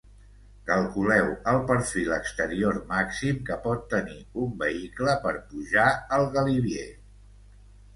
Calculeu el perfil exterior màxim que pot tenir un vehicle per pujar al Galibier.